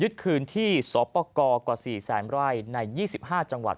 ยึดคืนที่สปกกศแสนรัยใน๒๕จังหวัด